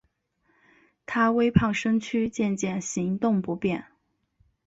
她微胖身躯渐渐行动不便